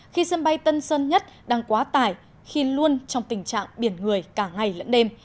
khi sân bay tân sơn nhất đang quá tải khi luôn trong tình trạng biển người cả ngày lẫn đêm